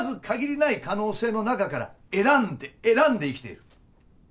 限りない可能性の中から選んで選んで生きている。